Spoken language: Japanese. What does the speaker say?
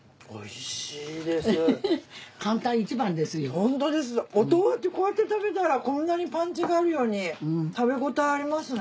ホントですお豆腐ってこうやって食べたらこんなにパンチがあるように食べごたえありますね。